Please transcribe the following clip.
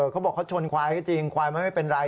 เขาบอกเขาชนควายก็จริงควายมันไม่เป็นไร